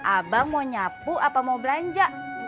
abang mau nyapu apa mau belanja